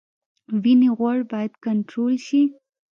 وینې غوړ باید کنټرول شي